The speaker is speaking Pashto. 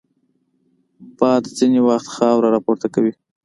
باد ځینې وخت خاوره راپورته کوي